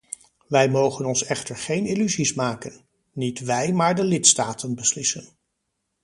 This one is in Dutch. Wij mogen ons echter geen illusies maken: niet wij maar de lidstaten beslissen.